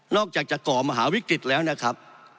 อกจากจะก่อมหาวิกฤตแล้วนะครับ